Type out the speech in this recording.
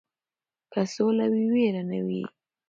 که سوله وي ویره نه وي.